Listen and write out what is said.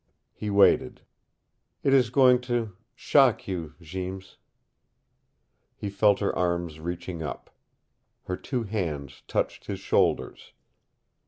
He waited. "It is going to shock you Jeems." He felt her arms reaching up. Her two hands touched his shoulders.